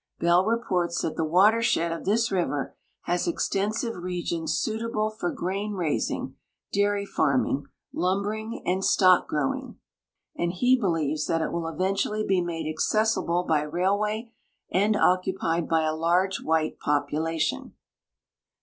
Bell reports that the waterslie<l of this river has extensive regions suitable forgrain raising, dairy farming, lumbering, and stock growing, and he bo 282 GEOGRAPHIC NOTES lieves tliat it will eventually be made accessible by railway and occupied by a large white population.